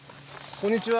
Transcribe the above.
こんにちは。